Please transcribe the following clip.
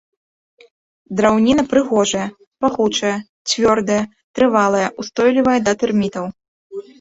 Драўніна прыгожая, пахучая, цвёрдая, трывалая, устойлівая да тэрмітаў.